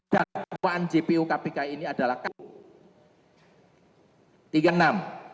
dato'an jpu kpk ini adalah kabur dan batal demi hukum